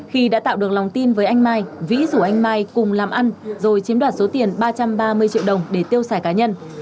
khi đã tạo được lòng tin với anh mai vĩ rủ anh mai cùng làm ăn rồi chiếm đoạt số tiền ba trăm ba mươi triệu đồng để tiêu xài cá nhân